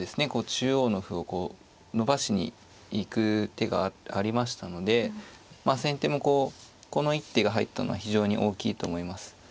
中央の歩を伸ばしに行く手がありましたので先手もこうこの一手が入ったのは非常に大きいと思います。